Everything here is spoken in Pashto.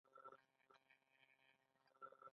د سړک سرعت حد باید د باران په وخت کم شي.